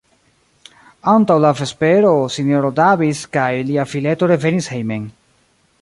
Antaŭ la vespero S-ro Davis kaj lia fileto revenis hejmen.